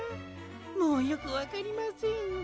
もうよくわかりません。